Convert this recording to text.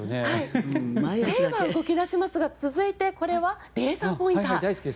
手は動いていますが続いて、これはレーザーポインター。